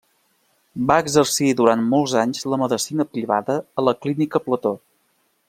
Va exercir durant molts anys la medicina privada a la Clínica Plató.